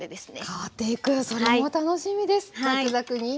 変わっていくそれも楽しみです。